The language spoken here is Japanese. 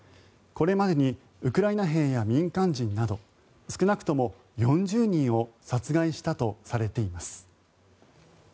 これまでにウクライナ兵や民間人など少なくとも４０人を殺害したとされています。